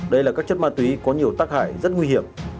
đây là các chất ma túy có nhiều tác hại rất nguy hiểm